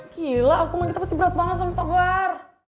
gila aku mau ngita pasti berat banget sama pak togar